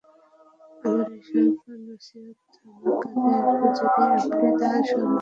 আমার এসব নসীহত আপনার কাজে আসবে, যদি আপনি তা স্মরণ রাখেন।